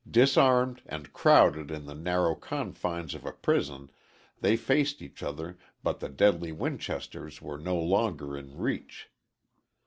Disarmed and crowded in the narrow confines of a prison, they faced each other but the deadly Winchesters were no longer in reach.